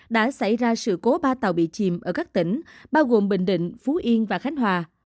đã xảy ra sự cố ba tàu bị chìm ở các tỉnh bao gồm bình định phú yên và khánh hòa